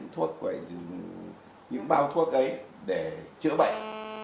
thuốc gọi là những bao thuốc ấy để chữa bệnh